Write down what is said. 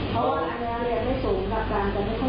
อเจมส์เพราะว่าอันนี้เรียกได้สูงกับการแต่ไม่ค่อยรู้เท่าไหร่